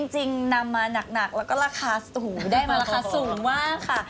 นำมาหนักแล้วก็ราคาสูงได้มาราคาสูงมากค่ะ